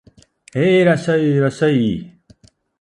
へい、いらっしゃい、いらっしゃい